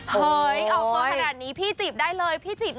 ซึ่งเจ้าตัวก็ยอมรับว่าเออก็คงจะเลี่ยงไม่ได้หรอกที่จะถูกมองว่าจับปลาสองมือ